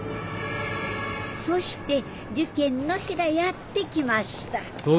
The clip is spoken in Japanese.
そして受験の日がやってきました